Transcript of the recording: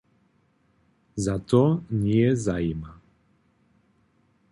Za to njeje zajima.